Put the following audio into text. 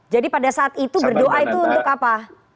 jadi pada saat itu berdoa itu untuk apa